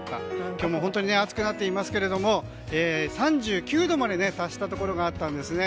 今日も本当に暑くなっていますけれども３９度まで達したところがあったんですね。